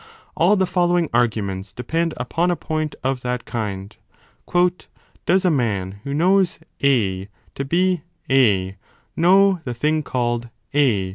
All the following arguments depend upon a point of that kind. Does a man who knows A to be A, know the thing called A